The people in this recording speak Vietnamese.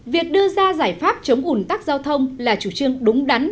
việc đưa ra giải pháp chống ủn tắc giao thông là chủ trương đúng đắn